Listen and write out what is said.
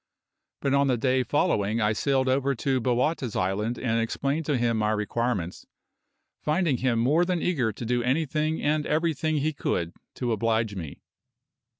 But on the day following I sailed over to Bowata's island and explained to him my requirements, finding him more than eager to do anything and everything he could to oblige me.